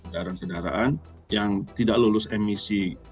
dara sedaraan yang tidak lulus emisi